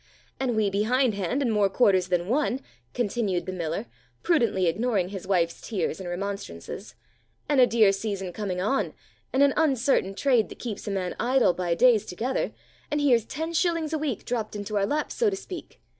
"And we behindhand in more quarters than one," continued the miller, prudently ignoring his wife's tears and remonstrances, "and a dear season coming on, and an uncertain trade that keeps a man idle by days together, and here's ten shillings a week dropped into our laps, so to speak.